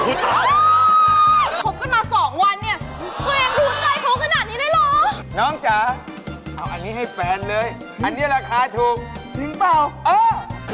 แข่งงานกันนะครับ